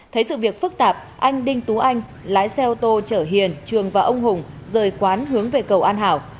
thấy sự việc phức tạp anh đinh tú anh lái xe ô tô chở hiền trường và ông hùng rời quán hướng về cầu an hảo